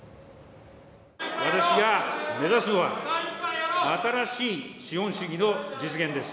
私が目指すのは、新しい資本主義の実現です。